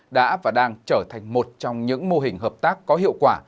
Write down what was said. đã và đang trở thành một trong những mô hình hợp tác có hiệu quả